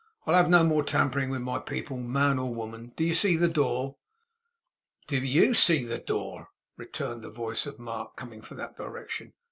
'I'll have no more tampering with my people, man or woman. Do you see the door?' 'Do YOU see the door?' returned the voice of Mark, coming from that direction.